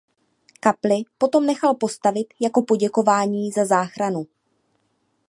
Kapli potom nechal postavit jako poděkování za záchranu.